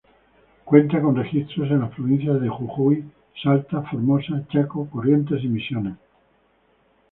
Cuenta con registros en las provincias de: Jujuy, Salta, Formosa, Chaco, Corrientes, y Misiones.